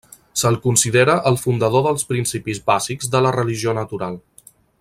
Se'l considera el fundador dels principis bàsics de la religió natural.